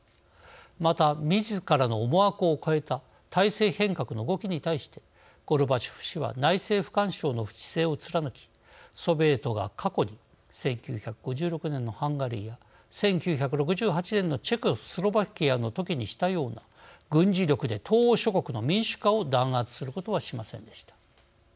また、みずからの思惑を越えた体制変革の動きに対してゴルバチョフ氏は内政不干渉の姿勢を貫きソビエトが過去に１９５６年のハンガリーや１９６８年のチェコスロバキアの時にしたような軍事力で東欧諸国の民主化を弾圧することはしませんでした。